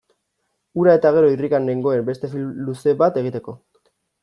Hura eta gero irrikan nengoen beste film luze bat egiteko.